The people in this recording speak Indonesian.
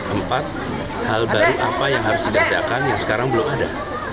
empat hal baru apa yang harus dikerjakan yang sekarang belum ada